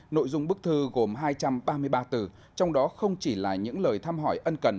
nội dung bức thư gồm hai trăm ba mươi ba từ trong đó không chỉ là những lời thăm hỏi ân cần